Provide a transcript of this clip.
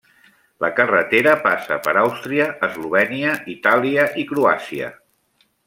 La carretera passa per Àustria, Eslovènia, Itàlia i Croàcia.